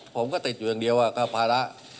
ผมก็ติดอยู่อย่างเดียวก็ภาระ